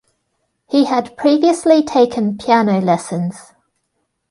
He had previously taken piano lessons.